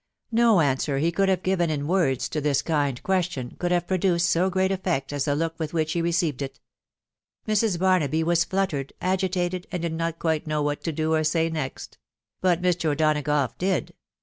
No answer he could have given in words to this kind question could have produced so great effect as the look with which he received it Mrs. Barnaby was fluttered, agitated, and did not quite know what to do or say next; but Mr. O'Donagough did.